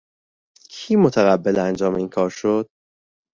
کی متقبل انجام اینکار شد؟